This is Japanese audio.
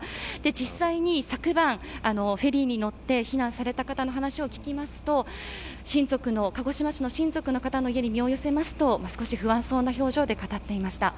実際に、昨晩フェリーに乗って避難された方の話を聞きますと鹿児島市の親族の方の家に身を寄せますと少し不安そうな表情で語っていました。